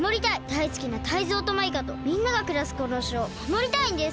だいすきなタイゾウとマイカとみんながくらすこのほしをまもりたいんです！